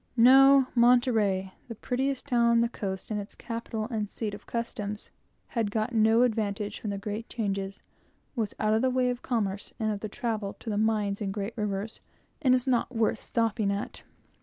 No; Monterey, the prettiest town on the coast, and its capital and seat of customs, had got no advantage from the great changes, was out of the way of commerce and of the travel to the mines and great rivers, and was not worth stopping at.